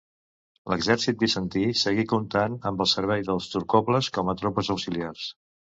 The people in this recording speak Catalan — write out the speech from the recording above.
L'exèrcit bizantí segui comptant amb els serveis dels turcoples com a tropes auxiliars.